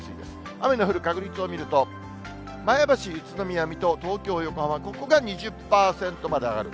雨の降る確率を見ると、前橋、宇都宮、水戸、東京、横浜、ここが２０％まで上がる。